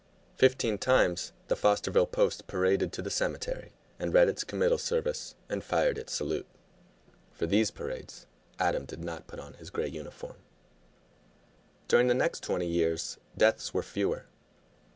Fifteen times the Fosterville Post paraded to the cemetery and read its committal service and fired its salute. For these parades Adam did not put on his gray uniform. During the next twenty years deaths were fewer.